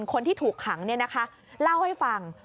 คนที่ถูกขังเล่าให้ฟัง